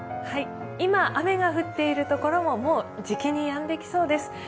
今、雨が降っているところもじきにやんできそうです。